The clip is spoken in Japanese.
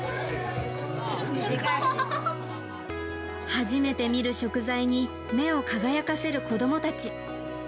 初めて見る食材に目を輝かせる子供たち。